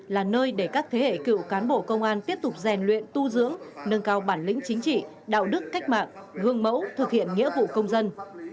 là nơi để các thế hệ cựu cán bộ công an tiếp tục rèn luyện tu dưỡng nâng cao bản lĩnh chính trị đạo đức cách mạng gương mẫu thực hiện nghĩa vụ công dân